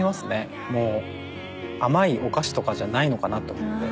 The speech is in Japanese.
もう甘いお菓子とかじゃないのかなと思って。